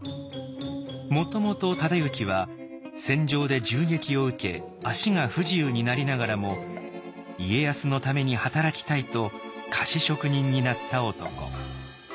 もともと忠行は戦場で銃撃を受け脚が不自由になりながらも家康のために働きたいと菓子職人になった男。